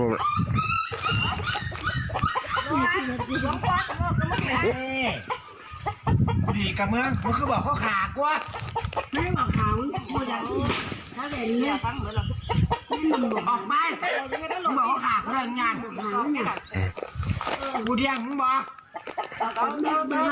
ต้องเงียบต้องเงียบ